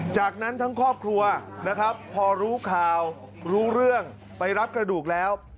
จากนั้นทั้งครอบครัวนะครับพอรู้ข่าวรู้เรื่องไปรับกระดูกแล้ว